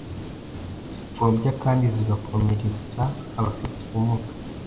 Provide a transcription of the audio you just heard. zipfobya kandi zigakomereysa abafite ubumuga